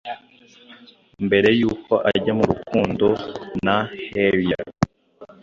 mbere y’uko ajya mu rukundo na Hailey